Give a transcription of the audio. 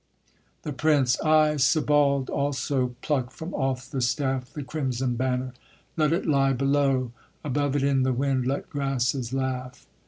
THE PRINCE. I, Sebald, also, pluck from off the staff The crimson banner; let it lie below, Above it in the wind let grasses laugh.